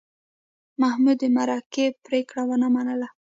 محمود د مرکې پرېکړه ونه منله.